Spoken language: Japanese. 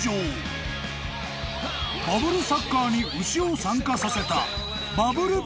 ［バブルサッカーに牛を参加させた］